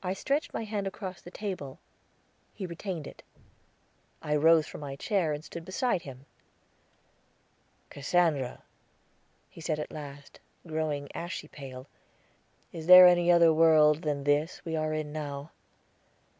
I stretched my hand across the table, he retained it. I rose from my chair and stood beside him. "Cassandra," he said at last, growing ashy pale, "is there any other world than this we are in now?"